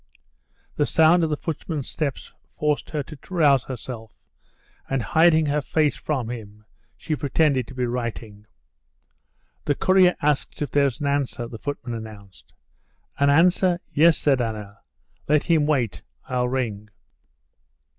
The sound of the footman's steps forced her to rouse herself, and, hiding her face from him, she pretended to be writing. "The courier asks if there's an answer," the footman announced. "An answer? Yes," said Anna. "Let him wait. I'll ring."